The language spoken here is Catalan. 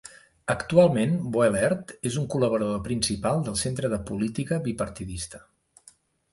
Actualment Boehlert és un col·laborador principal del Centre de Política Bipartidista.